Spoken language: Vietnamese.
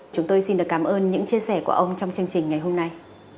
chúng tôi xin được cảm ơn những chia sẻ của ông trong chương trình ngày hôm nay